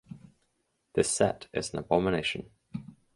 This set is an abomination.